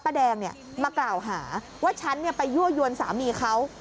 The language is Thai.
แดงมากล่าวหาว่าฉันไปยั่วยวนสามีเขา